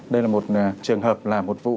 đây là một trường hợp là một vụ